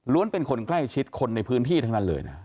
เป็นคนใกล้ชิดคนในพื้นที่ทั้งนั้นเลยนะ